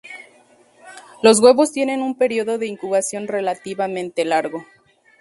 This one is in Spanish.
Los huevos tienen un período de incubación relativamente largo.